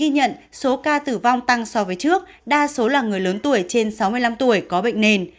ghi nhận số ca tử vong tăng so với trước đa số là người lớn tuổi trên sáu mươi năm tuổi có bệnh nền